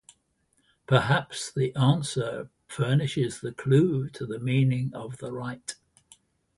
Perhaps the answer furnishes the clue to the meaning of the rite.